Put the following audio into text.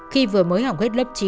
khi vừa mới học hết lớp chín